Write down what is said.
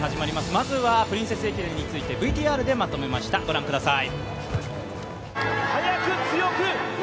まずはプリンセス駅伝についてＶＴＲでまとめました、ご覧ください。